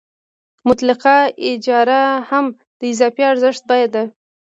مطلقه اجاره هم د اضافي ارزښت بیه ده